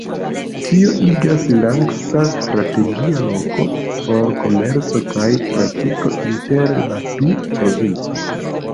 Tio igas Langsa strategia loko por komerco kaj trafiko inter la du provincoj.